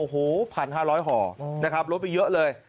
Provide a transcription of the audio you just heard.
โอ้โห๑๕๐๐ห่อนะครับลดไปเยอะเลย